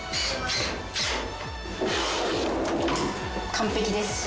完璧です。